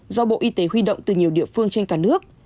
do bộ y tế huy động từ nhiều địa phương trên cả nước